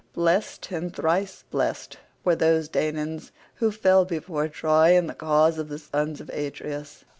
Blest and thrice blest were those Danaans who fell before Troy in the cause of the sons of Atreus.